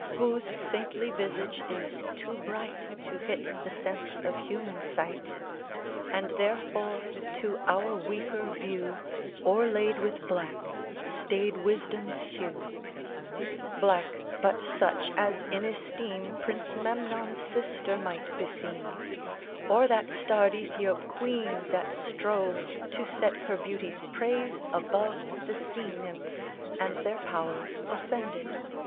Whose saintly visage is too bright To hit the sense of human sight, And therefore to our weaker view O'erlaid with black, staid Wisdom's hue; Black, but such as in esteem Prince Memnon's sister might beseem, Or that starred Ethiop queen that strove To set her beauty's praise above The Sea Nymphs, and their powers offended.